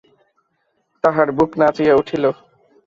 তাহার বুক নাচিয়া উঠিল।